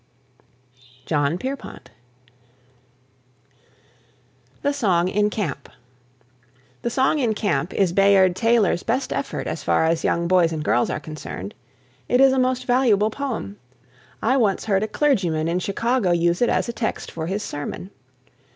JOHN PIERPONT. THE SONG IN CAMP. "The Song in Camp" is Bayard Taylor's best effort as far as young boys and girls are concerned. It is a most valuable poem. I once heard a clergyman in Chicago use it as a text for his sermon.